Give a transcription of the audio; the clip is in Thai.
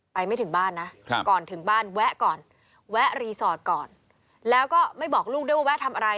ไม่ถึงบ้านนะก่อนถึงบ้านแวะก่อนแวะรีสอร์ทก่อนแล้วก็ไม่บอกลูกด้วยว่าแวะทำอะไร